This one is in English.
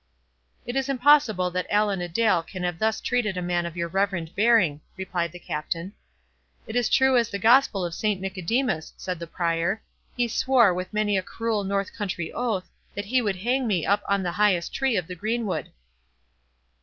"It is impossible that Allan a Dale can have thus treated a man of your reverend bearing," replied the Captain. "It is true as the gospel of Saint Nicodemus," said the Prior; "he swore, with many a cruel north country oath, that he would hang me up on the highest tree in the greenwood."